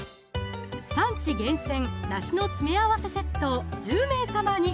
「産地厳選梨の詰め合わせセット」を１０名様に！